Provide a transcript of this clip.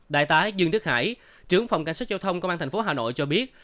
đại tá dương đức hải trưởng phòng cảnh sát giao thông công an tp hà nội cho biết